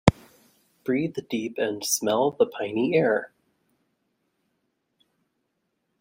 Breathe deep and smell the piny air.